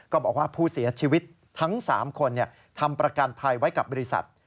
บอกว่าผู้เสียชีวิตทั้ง๓คนทำประกันภัยไว้กับบริษัท